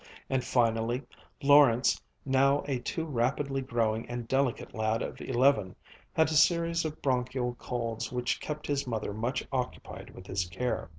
And finally, Lawrence, now a too rapidly growing and delicate lad of eleven, had a series of bronchial colds which kept his mother much occupied with his care.